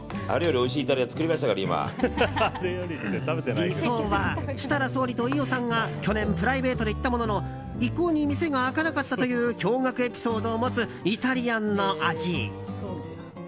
理想は、設楽総理と飯尾さんが去年プライベートで行ったものの一向に店が開かなかったという驚愕エピソードを持つイタリアンの味。